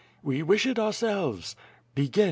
"We wish it ourselves." "Begin!